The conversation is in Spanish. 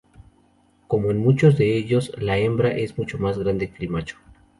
Como en muchos de ellos, la hembra es mucho más grande que el macho.